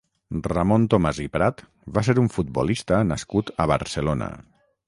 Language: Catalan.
Ramon Tomàs i Prat va ser un futbolista nascut a Barcelona.